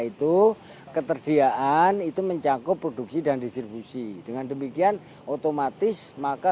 itu ketersediaan itu mencakup produksi dan distribusi dengan demikian otomatis maka